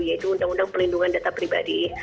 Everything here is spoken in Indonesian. yaitu undang undang pelindungan data pribadi